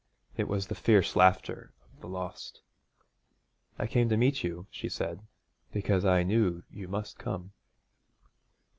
It was the fierce laughter of the lost. 'I came to meet you,' she said, 'because I knew you must come.'